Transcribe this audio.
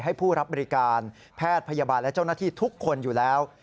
ให้ผู้รับบริการแพทย์พยาบาลและเจ้าหน้าที่ทุกคนอยู่แล้ว